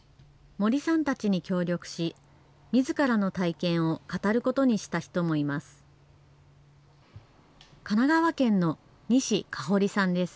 森さんたちに協力し、みずからの体験を語ることにした人もいます。